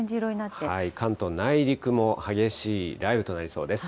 関東の内陸も激しい雷雨となりそうです。